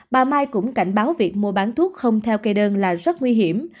bà mai cũng cảnh báo việc mua bán thuốc không theo cây đơn là rất nguy hiểm